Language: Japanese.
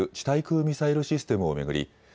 対空ミサイルシステムを巡り